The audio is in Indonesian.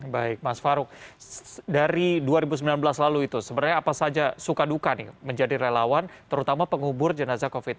baik mas farouk dari dua ribu sembilan belas lalu itu sebenarnya apa saja suka duka nih menjadi relawan terutama pengubur jenazah covid sembilan belas